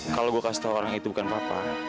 kalau gue kasih tahu orang itu bukan papa